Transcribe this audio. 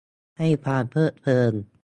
ให้ความเพลิดเพลิน